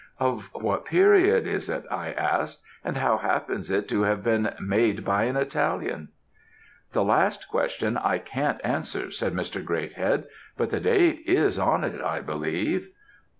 "'Of what period is it,' I asked, 'and how happens it to have been made by an Italian?' "'The last question I can't answer,' said Mr. Greathead; 'but the date is on it, I believe.'